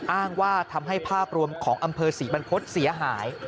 อ้างว่าทำให้ภาพรวมของอำเภอศรีบรรพฤษเสียหาย